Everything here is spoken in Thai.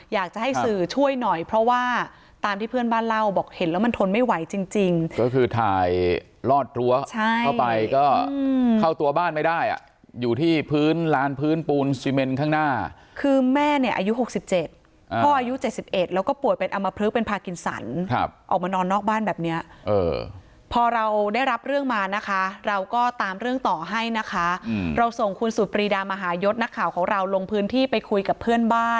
อยากจะให้สื่อช่วยหน่อยเพราะว่าตามที่เพื่อนบ้านเล่าบอกเห็นแล้วมันทนไม่ไหวจริงจริงก็คือถ่ายลอดรั้วเข้าไปก็เข้าตัวบ้านไม่ได้อ่ะอยู่ที่พื้นร้านพื้นปูนสิเมนข้างหน้าคือแม่เนี่ยอายุหกสิบเจ็ดพ่ออายุเจ็ดสิบเอ็ดแล้วก็ปวดเป็นอมพลึกเป็นพากินสรรค่ะออกมานอนนอกบ้านแบบเนี้ยเออพอเราได้รับเรื่